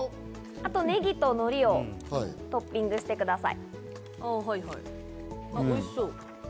あとネギとのりをトッピングしてください。